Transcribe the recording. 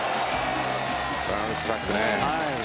バウンスバックね。